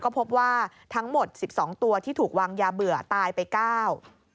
ก็พบว่าทั้งหมดสิบสองตัวที่ถูกวางยาเบื่อตายไปเก้า